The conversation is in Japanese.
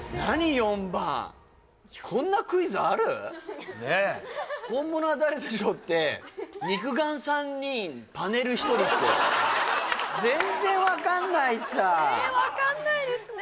４番本物は誰でしょうって肉眼３人パネル１人って全然分かんないさ分かんないですね